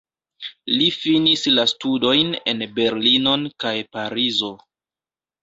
Li finis la studojn en Berlinon kaj Parizo.